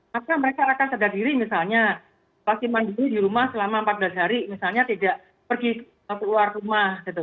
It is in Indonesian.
maka mereka akan sadar diri misalnya pasti mandiri di rumah selama empat belas hari misalnya tidak pergi keluar rumah gitu